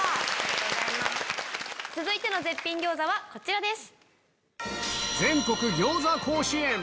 続いての絶品餃子はこちらです。